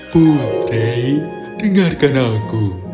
putri dengarkan aku